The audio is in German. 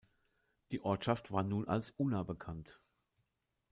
Die Ortschaft war nun als "Una" bekannt.